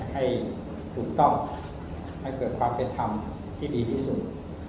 ให้ถูกต้องให้เกิดความเป็นธรรมที่ดีที่สุด